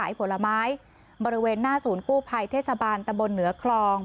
ผลไม้บริเวณหน้าศูนย์กู้ภัยเทศบาลตะบนเหนือคลอง